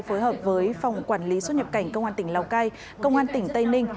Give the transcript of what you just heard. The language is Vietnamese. phối hợp với phòng quản lý xuất nhập cảnh công an tỉnh lào cai công an tỉnh tây ninh